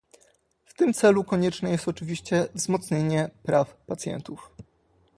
W tym celu konieczne jest oczywiście wzmocnienie praw pacjentów